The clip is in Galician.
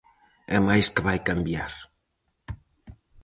E máis que vai cambiar.